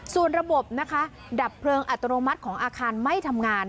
ส่วนระบบนะคะดับเพลิงอัตโนมัติของอาคารไม่ทำงาน